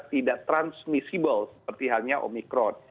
tidak transmissible seperti halnya omikron